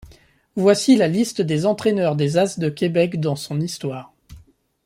Voici la liste des entraineurs des As de Québec dans son histoire.